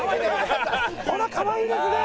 ほらかわいいですね。